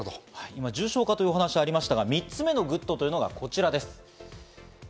重症化という話がありましたが、３つ目のＧｏｏｄがこちらです。